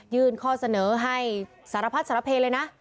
ข้อเสนอให้สารพัดสารเพเลยนะ